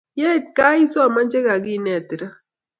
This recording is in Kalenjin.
Ye i it kaa isoman che kakinetin ra